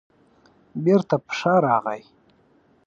بېرته په شا راغی.